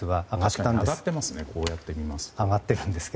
確かに上がってますね。